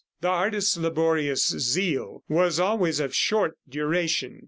The artist's laborious zeal was always of short duration.